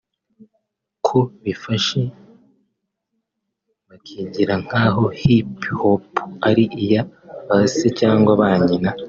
ko ``bifashe bakigira nk’aho Hip Hop ari iya ba se cyangwa ba nyina’’